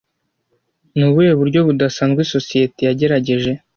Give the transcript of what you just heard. Ni ubuhe buryo budasanzwe sosiyete yagerageje